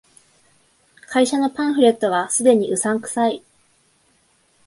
会社のパンフレットが既にうさんくさい